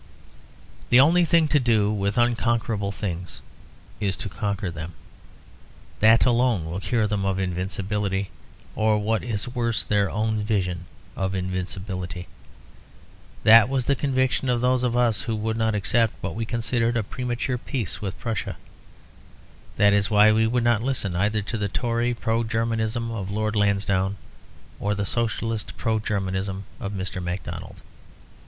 The only thing to do with unconquerable things is to conquer them. That alone will cure them of invincibility; or what is worse, their own vision of invincibility. That was the conviction of those of us who would not accept what we considered a premature peace with Prussia. That is why we would not listen either to the Tory Pro Germanism of Lord Lansdowne or the Socialist Pro Germanism of Mr. Macdonald.